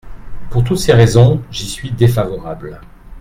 Pour toutes ces raisons, j’y suis défavorable.